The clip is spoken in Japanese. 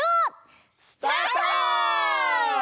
スタート！